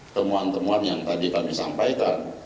temuan temuan yang tadi kami sampaikan